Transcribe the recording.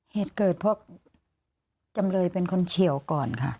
เหตุเกิดเพราะจำเลยเป็นคนเฉียวก่อนค่ะ